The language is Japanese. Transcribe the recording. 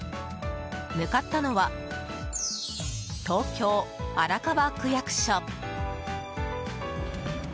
向かったのは、東京・荒川区役所。